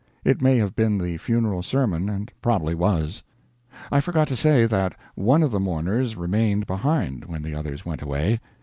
It may have been the funeral sermon, and probably was. I forgot to say that one of the mourners remained behind when the others went away.